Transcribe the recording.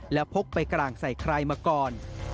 และพกไปกลางใส่ใครมาก่อน